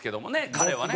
彼はね。